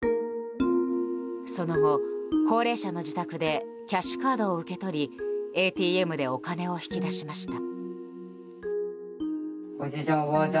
その後、高齢者の自宅でキャッシュレスを受け取りＡＴＭでお金を引き出しました。